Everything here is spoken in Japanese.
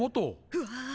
うわ。